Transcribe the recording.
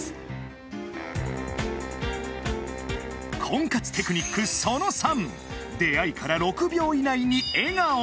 婚活テクニックその３出会いから６秒以内に笑顔